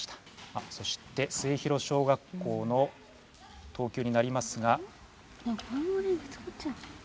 そして末広小学校の投球になりますが。